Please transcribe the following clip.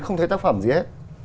không thấy tác phẩm gì hết